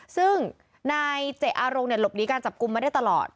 ซึ่งนายเจ๋อรงเนี่ยหลบดีการจับกุมไม่ได้ตลอด